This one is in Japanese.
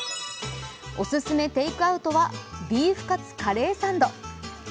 オススメテークアウトはビーフカツ・カレー・サンド。